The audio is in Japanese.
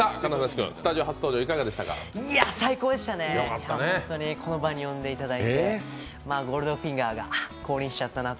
最高でしたね、本当にこの場に呼んでいただいて、まあゴールドフィンガーが降臨しちゃったなと。